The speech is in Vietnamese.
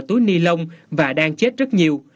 túi ni lông và đang chết rất nhiều